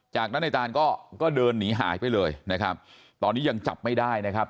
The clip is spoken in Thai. จากนั้นในตานก็ก็เดินหนีหายไปเลยนะครับตอนนี้ยังจับไม่ได้นะครับ